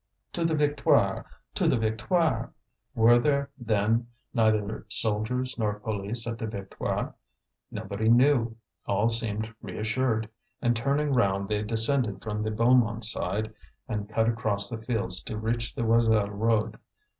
"To the Victoire! to the Victoire!" Were there, then, neither soldiers nor police at the Victoire? Nobody knew. All seemed reassured. And turning round they descended from the Beaumont side and cut across the fields to reach the Joiselle road.